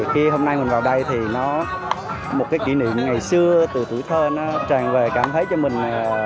khi hôm nay mình vào đây thì một kỷ niệm ngày xưa từ tuổi thơ tràn về cảm thấy cho mình